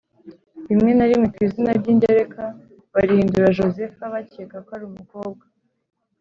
rimwe na rimwe ku izina ry ingereka barihindura Josepha bakeka ko ari umukobwa